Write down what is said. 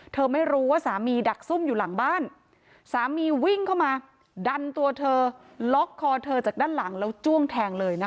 ไม่รู้ว่าสามีดักซุ่มอยู่หลังบ้านสามีวิ่งเข้ามาดันตัวเธอล็อกคอเธอจากด้านหลังแล้วจ้วงแทงเลยนะคะ